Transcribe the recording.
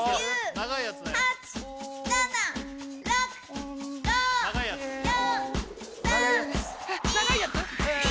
長いやつえ